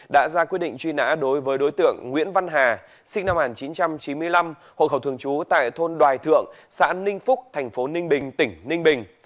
đã ra quyết định truy nã đối với đối tượng nguyễn văn hà sinh năm một nghìn chín trăm chín mươi năm hộ khẩu thường trú tại thôn đoài thượng xã ninh phúc thành phố ninh bình tỉnh ninh bình